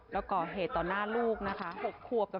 แล้วก็เหตุตอนหน้าลูกนะคะ๖ควบกับ๓ควบ